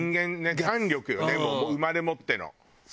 胆力よね生まれ持っての。